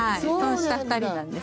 下２人なんです。